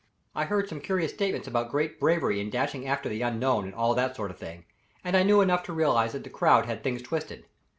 I heard some curious statements about great bravery in dashing after the unknown, and all that sort of thing and I knew enough to realize that the crowd had things twisted.